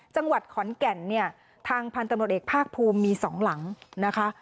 จังหวัดขอนแก่นเนี่ยทางพันธุ์ตำรวจเอกภาคภูมิมีสองหลังนะคะ